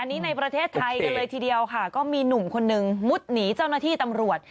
อันนี้ในประเทศไทยกันเลยทีเดียวค่ะก็มีหนุ่มคนนึงมุดหนีเจ้าหน้าที่ตำรวจ